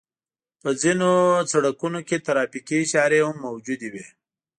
په ځينو سړکونو کې ترافيکي اشارې هم موجودې وي.